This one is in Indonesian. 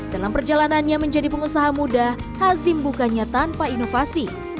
dalam perjalanannya menjadi pengusaha muda hazim bukannya tanpa inovasi